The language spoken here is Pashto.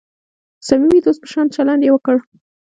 د صمیمي دوست په شان چلند یې وکړ.